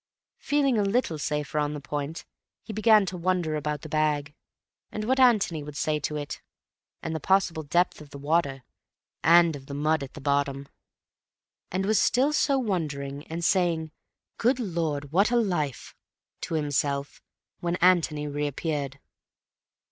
Feeling a little safer on the point, he began to wonder about the bag, and what Antony would say to it, and the possible depth of the water and of the mud at the bottom; and was still so wondering, and saying, "Good Lord, what a life!" to himself, when Antony reappeared.